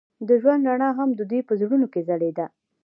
د ژوند رڼا هم د دوی په زړونو کې ځلېده.